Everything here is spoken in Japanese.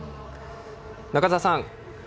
中澤さん